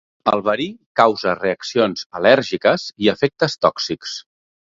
El verí causa reaccions al·lèrgiques i efectes tòxics.